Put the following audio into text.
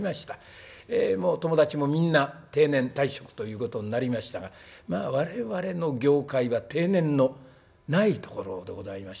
友達もみんな定年退職ということになりましたがまあ我々の業界は定年のないところでございましてね。